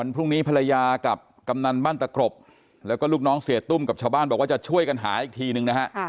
พรุ่งนี้ภรรยากับกำนันบ้านตะกรบแล้วก็ลูกน้องเสียตุ้มกับชาวบ้านบอกว่าจะช่วยกันหาอีกทีนึงนะฮะ